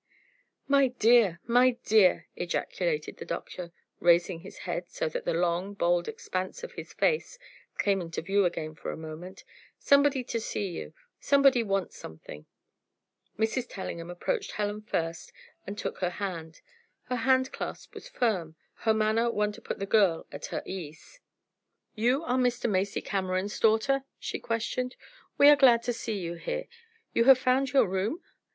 "My dear! my dear!" ejaculated the Doctor, raising his head so that the long, bald expanse of his face came into view again for a moment, "somebody to see you somebody wants something." Mrs. Tellingham approached Helen first and took her hand. Her handclasp was firm, her manner one to put the girl at her ease. "You are Mr. Macy Cameron's daughter?" she questioned. "We are glad to see you here. You have found your room?"